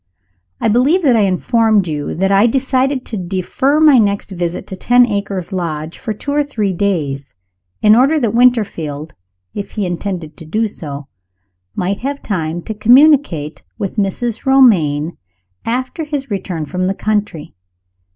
I believe that I informed you that I decided to defer my next visit to Ten Acres Lodge for two or three days, in order that Winterfield (if he intended to do so) might have time to communicate with Mrs. Romayne, after his return from the country.